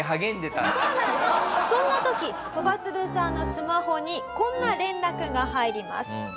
そんな時そばつぶさんのスマホにこんな連絡が入ります。